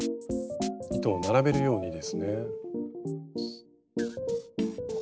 糸を並べるようにですね。